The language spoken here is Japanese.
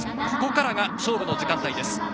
ここからが勝負の時間帯です。